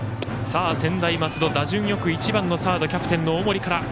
専大松戸、打順よく１番サードのキャプテンの大森。